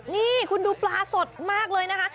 นี่คุณดูปลาสดมากเลยนะคะ